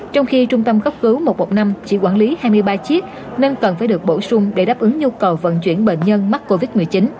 trong khi trung tâm cấp cứu một trăm một mươi năm chỉ quản lý hai mươi ba chiếc nên cần phải được bổ sung để đáp ứng nhu cầu vận chuyển bệnh nhân mắc covid một mươi chín